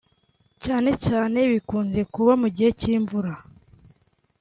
cyane cyane ibikunze kuba mu gihe cy’imvura